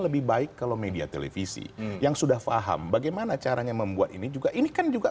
lebih baik kalau media televisi yang sudah paham bagaimana caranya membuat ini juga ini kan juga